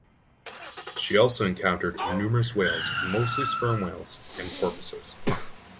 She also encountered numerous whales (mostly sperm whales) and porpoises.